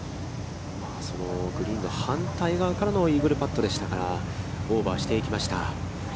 そのグリーンの反対側からのイーグルパットでしたから、オーバーしていきました。